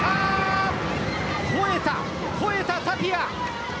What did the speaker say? ほえた、ほえたタピア！